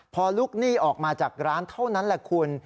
พอลูกหนี้ออกมาจากร้านเท่านั้นแหละคุณ